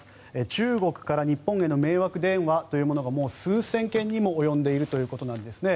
中国から日本への迷惑電話というものがもう数千件にも及んでいるということなんですね。